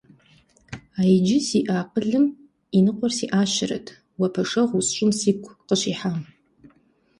А иджы сиӏэ акъылым и ныкъуэр сиӏащэрэт уэ пэшэгъу усщӏыну сигу къыщихьам.